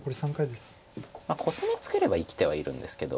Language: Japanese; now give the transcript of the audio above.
コスミツケれば生きてはいるんですけど。